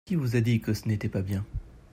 Qui vous a dit que ce n'était pas bien ?